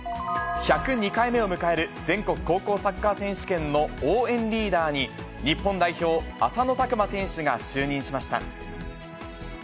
１０２回目を迎える全国高校サッカー選手権の応援リーダーに、日本代表、浅野拓磨選手が就任しました。